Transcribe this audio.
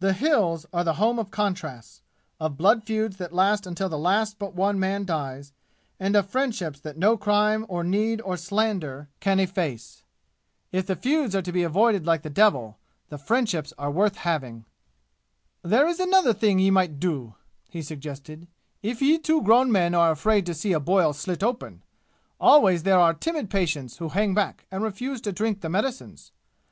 The "Hills" are the home of contrasts, of blood feuds that last until the last but one man dies, and of friendships that no crime or need or slander can efface. If the feuds are to be avoided like the devil, the friendships are worth having. "There is another thing ye might do," he suggested, "if ye two grown men are afraid to see a boil slit open. Always there are timid patients who hang back and refuse to drink the medicines.